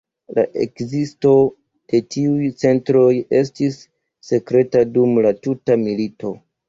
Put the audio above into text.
La ekzisto de tiuj centroj estis sekreta dum la tuta milito.